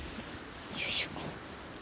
よいしょ。